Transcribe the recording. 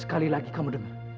sekali lagi kamu denger